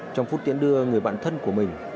trong phút tiến đưa người bạn thân của mình